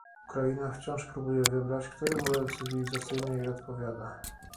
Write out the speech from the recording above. Ukraina wciąż próbuje wybrać, który model cywilizacyjny jej odpowiada